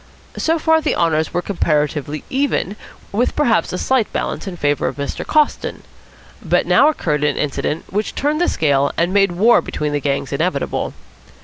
So far the honours were comparatively even, with perhaps a slight balance in favour of Mr. Coston. But now occurred an incident which turned the scale, and made war between the gangs inevitable.